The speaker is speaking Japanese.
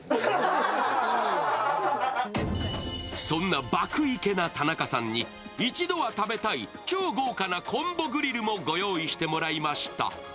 そんな爆イケな田中さんに、一度は食べたい超豪華なコンボグリルもご用意してもらいました。